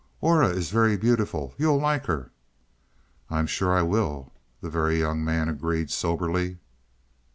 "Aura is very beautiful; you'll like her." "I'm sure I will," the Very Young Man agreed soberly.